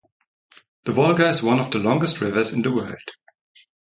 The Volga is one of the longest rivers in the world.